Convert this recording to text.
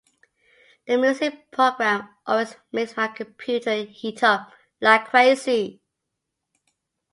The music program always makes my computer heat up like crazy.